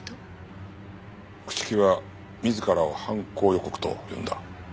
朽木は自らを犯行予告と呼んだ。